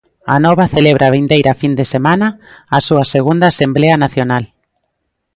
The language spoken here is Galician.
Anova celebra a vindeira fin de semana a súa segunda asemblea nacional.